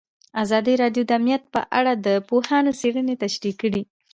ازادي راډیو د امنیت په اړه د پوهانو څېړنې تشریح کړې.